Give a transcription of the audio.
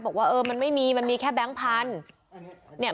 บอกว่าเออมันไม่มีมันมีแค่แก๊งพันธุ์